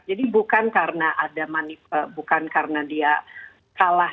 jadi bukan karena ada bukan karena dia kalah